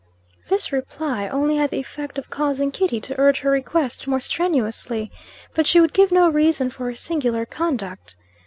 This reply only had the effect of causing Kitty to urge her request more strenuously. But she would give no reason for her singular conduct.